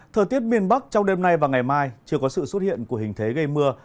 thời tiết miền bắc trong đêm nay và ngày mai chưa có sự xuất hiện của hình thế gây mưa